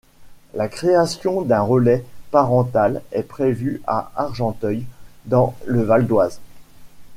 La création d’un Relais Parental est prévue à Argenteuil dans le Val-d'Oise.